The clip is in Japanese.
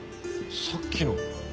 さっきの。